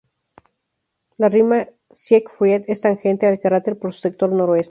La Rima Siegfried es tangente al cráter por su sector noreste.